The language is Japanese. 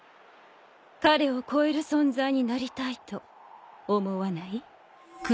彼を超える存在になりたいと思わない？